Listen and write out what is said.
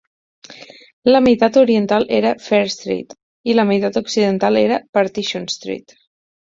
La meitat oriental era Fair Street i la meitat occidental era Partition Street.